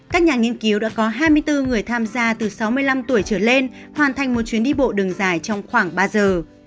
các nhà nghiên cứu đã có hai mươi bốn người tham gia từ sáu mươi năm tuổi trở lên hoàn thành một chuyến đi bộ đường dài trong khoảng ba giờ